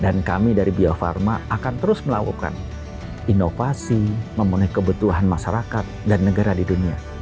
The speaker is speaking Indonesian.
dan kami dari bio farma akan terus melakukan inovasi memenuhi kebutuhan masyarakat dan negara di dunia